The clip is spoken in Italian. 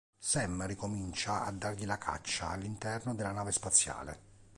Sam ricomincia a dargli la caccia all'interno della nave spaziale.